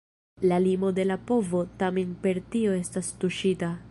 La limo de la povo tamen per tio estis tuŝita.